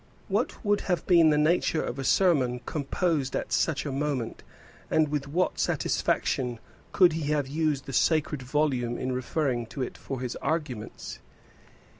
What would have been the nature of a sermon composed at such a moment, and with what satisfaction could he have used the sacred volume in referring to it for his arguments?